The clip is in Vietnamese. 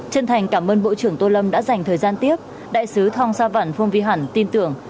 chân thành cảm ơn bộ trưởng tô lâm đã dành thời gian tiếp đại sứ thong sa văn phong vy hẳn tin tưởng